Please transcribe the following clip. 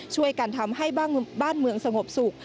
ช่วยกันทำให้บ้านเมืองสงบสุข